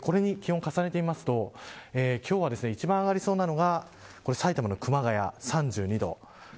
これに気温を重ねてみると今日は一番上がりそうなのが埼玉、熊谷で３２度。